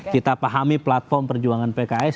kita pahami platform perjuangan pks